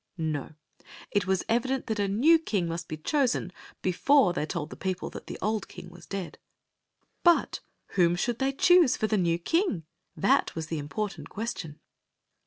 No ; it was evident that a new king must be chosen before they told the people that the old king was • dead. But whom should they choose for the new king? That was the important question.